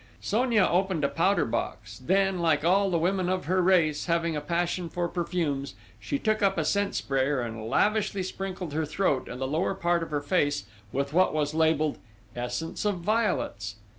Sonia opened a powder box; then, like all the women of her race, having a passion for perfumes, she took up a scent sprayer and lavishly sprinkled her throat and the lower part of her face with what was labelled, "essence of violets."